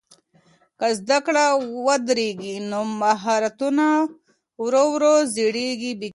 که زده کړه ودرېږي نو مهارتونه ورو ورو زړېږي بې ګټې.